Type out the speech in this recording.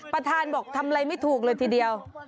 ประธานบอกทำอะไรไม่ถูกเลยทีเดียว